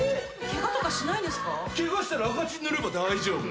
ケガしたら赤チン塗れば大丈夫。